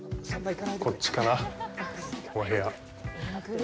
こっちかな、お部屋。